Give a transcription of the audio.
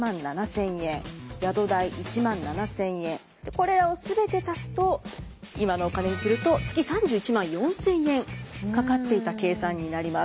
これを全て足すと今のお金にすると月３１万４，０００円かかっていた計算になります。